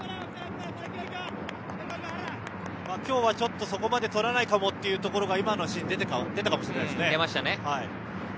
今日はちょっとそこまでとらないかもというところが今のシーンでも出たかもしれないですね。